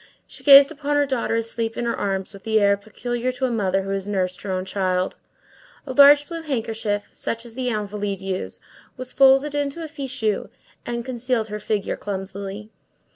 She gazed upon her daughter asleep in her arms with the air peculiar to a mother who has nursed her own child. A large blue handkerchief, such as the Invalides use, was folded into a fichu, and concealed her figure clumsily.